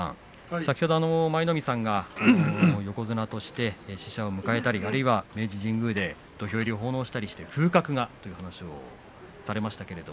先ほど舞の海さんは横綱として使者を迎えたりあるいは明治神宮で土俵入りを奉納したりして風格がというお話をされました。